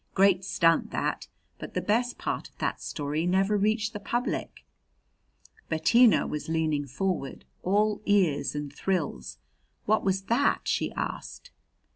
Great stunt that! But the best part of that story never reached the public." Bettina was leaning forward, all ears and thrills. "What was that?" she asked.